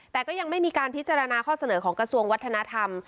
แต่ก็ยังไม่มีการพิจารณาข้อเสนอของกระทรวงวัฒนธรรม